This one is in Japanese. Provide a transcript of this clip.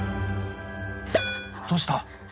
どうした？